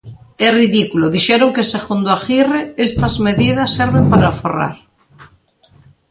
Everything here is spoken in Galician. "É ridículo, dixeron que segundo Aguirre estas medidas serven para aforrar".